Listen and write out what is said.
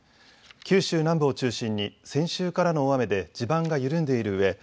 九州南部を中心に先週からの大雨で地盤が緩んでいるうえ